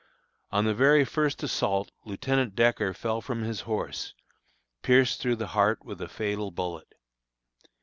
On the very first assault Lieutenant Decker fell from his horse, pierced through the heart with a fatal bullet.